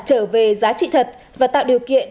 trở về giá trị thật và tạo điều kiện